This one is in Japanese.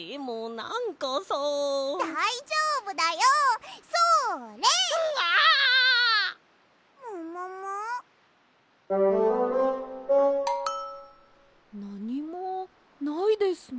なにもないですね。